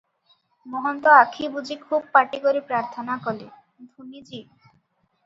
ମହନ୍ତ ଆଖି ବୁଜି ଖୁବ୍ ପାଟି କରି ପ୍ରାର୍ଥନା କଲେ, "ଧୂନି ଜୀ!